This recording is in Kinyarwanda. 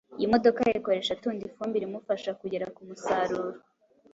Iyi modoka ayikoresha atunda ifumbire imufasha kugera ku musaruro